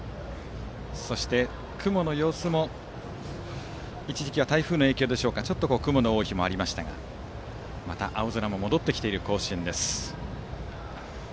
そして、雲の様子も一時期は台風の影響でしょうかちょっと雲が多い日もありましたがまた青空も戻ってきている甲子園。